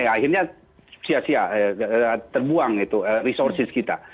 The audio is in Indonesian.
akhirnya sia sia terbuang itu resources kita